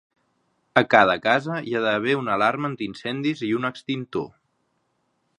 A cada casa hi ha d'haver una alarma antiincendis i un extintor.